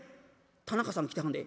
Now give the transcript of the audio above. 田中さん来てはんで」。